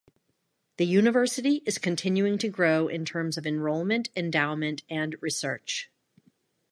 The university is continuing to grow in terms of enrollment, endowment, and research.